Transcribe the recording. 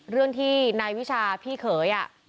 เรื่องที่นายวิชาพี่เขย